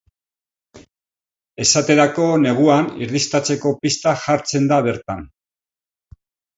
Esaterako, neguan, irristatzeko pista jartzen da bertan.